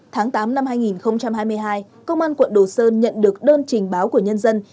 tháng tám năm hai nghìn hai mươi hai công an quận đồ sơn nhận được đơn trình báo của nhân dân